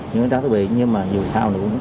nhưng mà dù sao